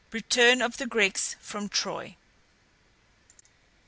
RETURN OF THE GREEKS FROM TROY.